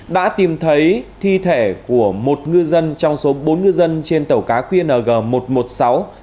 đã tìm thấy thi thể của một ngư dân trong số bốn ngư dân trên tàu cá qng một mươi một nghìn sáu trăm tám mươi bốn ts